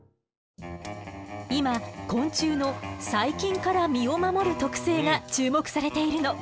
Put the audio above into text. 今昆虫の「細菌から身を守る特性」が注目されているの。